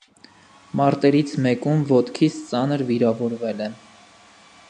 Մարտերից մեկում ոտքից ծանր վիրավորվել է։